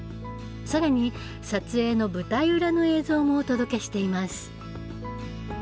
更に撮影の舞台裏の映像もお届けしています。